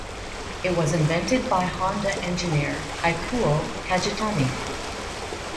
It was invented by Honda engineer Ikuo Kajitani.